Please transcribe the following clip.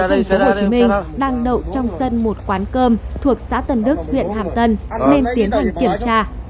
ông minh đang đậu trong sân một quán cơm thuộc xã tân đức huyện hàm tân nên tiến hành kiểm tra